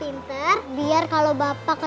ibu juga harus ke pabrik ya